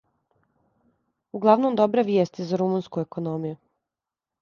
Углавном добре вијести за румунску економију